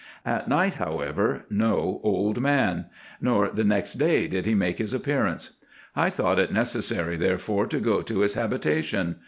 At night, however, no old man ; nor the next day did he make his appearance. I thought it necessary therefore to go to his habitation.